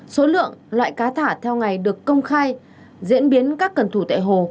số lượng loại cá thả theo ngày được công khai diễn biến các cần thủ tại hồ